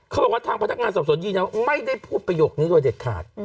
เขาบอกว่าทางพนักงานสอบสวนยืนยันว่าไม่ได้พูดประโยคนี้โดยเด็ดขาด